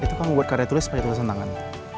itu kamu buat karya tulis pakai tulisan tangan